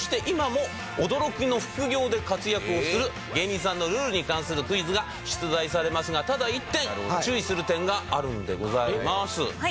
今も驚きの副業で活躍をする芸人さんのルールに関するクイズが出題されますがただ一点注意する点があるんでございます。